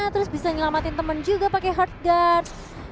terus bisa nyelamatin temen juga pakai heart guard